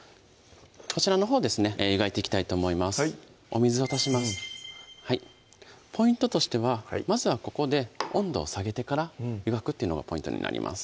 こちらのほうですね湯がいていきたいと思いますお水を足しますポイントとしてはまずはここで温度を下げてから湯がくっていうのがポイントになります